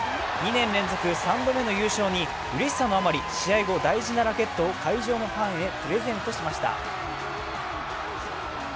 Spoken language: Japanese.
２年連続３度目の優勝に、うれしさのあまり、試合後、大事なラケットを会場のファンへプレゼントしました。